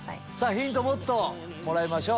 ヒントもっともらいましょう。